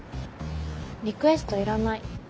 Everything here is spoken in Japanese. リクエストいらない。